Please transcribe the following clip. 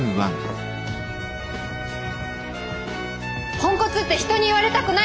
ポンコツって人に言われたくない！